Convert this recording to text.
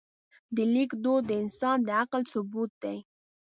د لیک دود د انسان د عقل ثبوت دی.